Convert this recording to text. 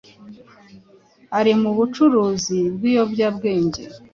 ari mu bucuruzi bw’ibiyobyabwenge